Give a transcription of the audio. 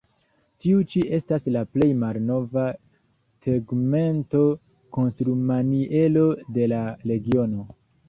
Tiu ĉi estas la plej malnova tegmento-konstrumaniero de la regiono.